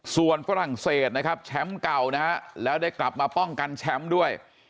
ส่วนฝรั่งเศสนะครับแชมป์เก่านะฮะแล้วได้กลับมาป้องกันแชมป์ด้วย